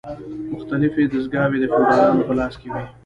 مختلفې دستګاوې د فیوډالانو په لاس کې وې.